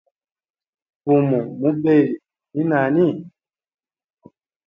Fumu mubeli ni nani?